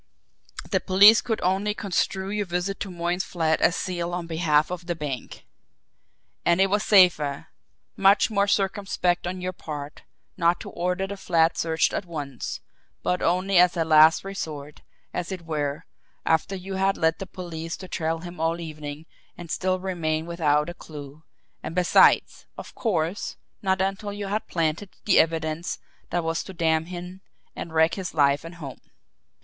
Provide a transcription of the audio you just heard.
"The police could only construe your visit to Moyne's flat as zeal on behalf of the bank. And it was safer, much more circumspect on your part, not to order the flat searched at once, but only as a last resort, as it were, after you had led the police to trail him all evening and still remain without a clew and besides, of course, not until you had planted the evidence that was to damn him and wreck his life and home!